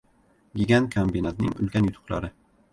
Gigant kombinatning ulkan yutuqlari